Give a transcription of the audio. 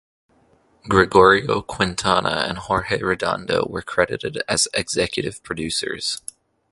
Gregorio Quintana and Jorge Redondo were credited as executive producers.